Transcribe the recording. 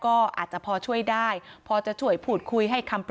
พี่สาวบอกว่าไม่ได้ไปกดยกเลิกรับสิทธิ์นี้ทำไม